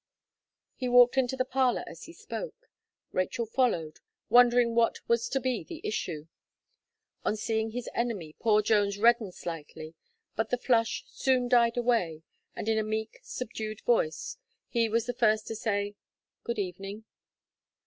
He walked into the parlour as he spoke; Rachel followed, wondering what was to be the issue. On seeing his enemy, poor Jones reddened slightly but the flush soon died away, and in a meek, subdued voice, he was the first to say "good evening."